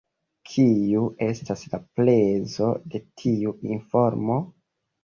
Kiu estas la prezo de tiu informo?